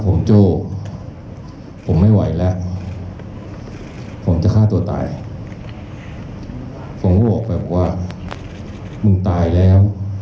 ผมโจ้ผมไม่ไหวแล้วผมจะฆ่าตัวตายผมก็บอกแบบว่ามึงตายแล้ว